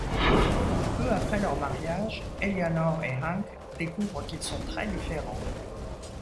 Peu après leur mariage, Eleanor et Hank découvrent qu'ils sont très différents.